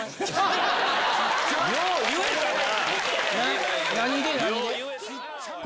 よう言えたな！